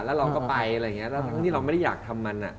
แล้วเราก็ไปอะไรอย่างนี้ทั้งที่เราไม่ได้อยากทำมัน